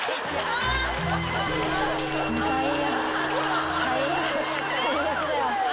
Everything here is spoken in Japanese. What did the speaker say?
最悪最悪最悪だよ。